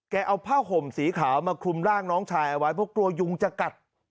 เอาผ้าห่มสีขาวมาคลุมร่างน้องชายเอาไว้เพราะกลัวยุงจะกัด